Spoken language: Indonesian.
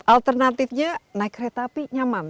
alternatifnya naik kereta api nyaman